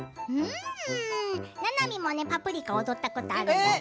ななみも「パプリカ」踊ったことあるよ。